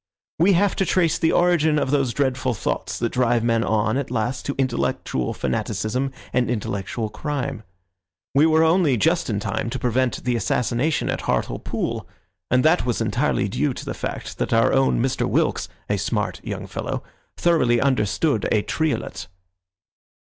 We have to trace the origin of those dreadful thoughts that drive men on at last to intellectual fanaticism and intellectual crime. We were only just in time to prevent the assassination at Hartlepool, and that was entirely due to the fact that our Mr. Wilks (a smart young fellow) thoroughly understood a triolet."